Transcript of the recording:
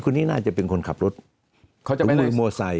คนนี้น่าจะเป็นคนขับรถเสื้อรถโมไซ